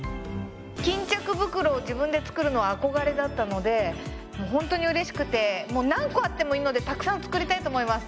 巾着袋を自分で作るのは憧れだったのでもうほんとにうれしくてもう何個あってもいいのでたくさん作りたいと思います。